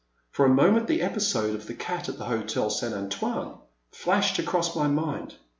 For a moment the episode of the cat at the Hotel St. Antoine flashed across my mind.